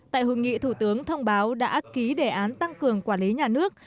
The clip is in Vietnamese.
tại hội nghị thủ tướng thông báo đã ký đề án tăng cường quản lý nhà nước